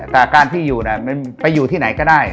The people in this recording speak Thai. แต่การที่อยู่ไปอยู่ที่ไหนก็ได้